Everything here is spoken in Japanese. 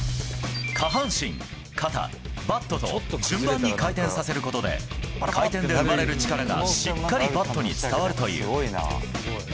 下半身、肩、バットと、順番に回転させることで、回転で生まれる力がしっかりバットに伝わるという。